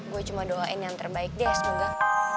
gue cuma doain yang terbaik deh semoga